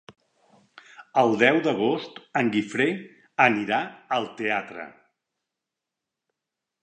El deu d'agost en Guifré anirà al teatre.